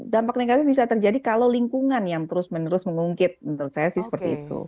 dampak negatif bisa terjadi kalau lingkungan yang terus menerus mengungkit menurut saya sih seperti itu